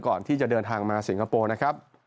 ก่อนที่จะเดินทางมาสิงคโปร์นะครับ